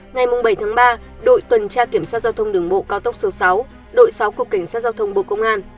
ngày bảy tháng ba đội tuần tra kiểm soát giao thông đường bộ cao tốc số sáu đội sáu của cảnh sát giao thông bộ công an